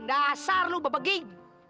dasar lu bebegin